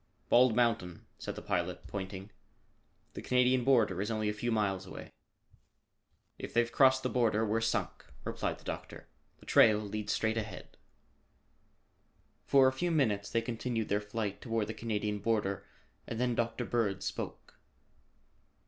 "Bald Mountain," said the pilot, pointing. "The Canadian Border is only a few miles away." "If they've crossed the Border, we're sunk," replied the doctor. "The trail leads straight ahead." For a few minutes they continued their flight toward the Canadian Border and then Dr. Bird spoke.